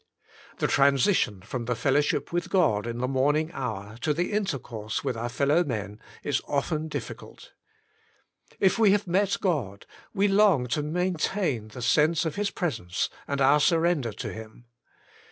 The transition from the fellowship with God in the morning hour to the intercourse with our f el lowmen is often difficult. If we have met God, we long to maintain the sense of His presence, and our surrender to Him.